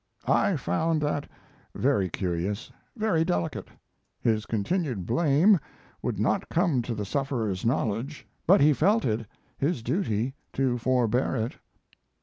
I found that very curious, very delicate. His continued blame could not come to the sufferer's knowledge, but he felt it his duty to forbear it.